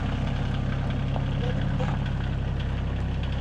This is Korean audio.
못 해.